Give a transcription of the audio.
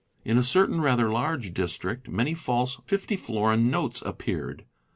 In a certain rather large district many false 50 florin notes appeared.